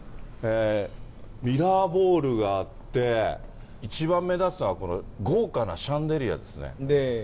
ミラーボールがあって、一番目立つのはこの豪華なシャンデリアですね。